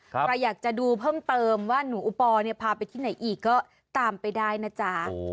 ใครอยากจะดูเพิ่มเติมว่าหนูอุปอลเนี่ยพาไปที่ไหนอีกก็ตามไปได้นะจ๊ะ